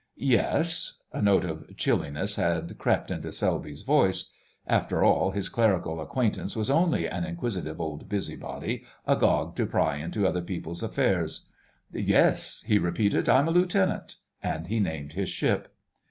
"Yes." A note of chilliness had crept into Selby's voice. After all, his clerical acquaintance was only an inquisitive old busybody, agog to pry into other people's affairs. "Yes," he repeated, "I'm a Lieutenant," and he named his ship.